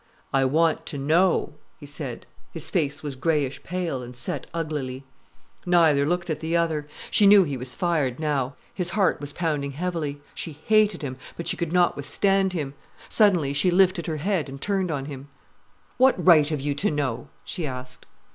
"I want to know," he said. His face was greyish pale, and set uglily. Neither looked at the other. She knew he was fired now. His heart was pounding heavily. She hated him, but she could not withstand him. Suddenly she lifted her head and turned on him. "What right have you to know?" she asked.